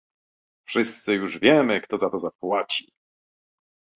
Wszyscy już wiemy, kto za to zapłaci